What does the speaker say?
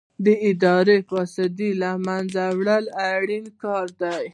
د اداري فساد له منځه وړل اړین کار دی.